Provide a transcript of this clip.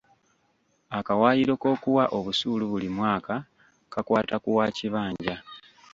Akawaayiro k'okuwa obusuulu buli mwaka kakwata ku wa kibanja.